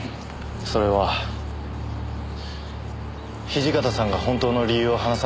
それは土方さんが本当の理由を話さなかったからです。